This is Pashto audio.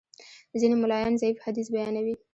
ځینې ملایان ضعیف حدیث بیانوي.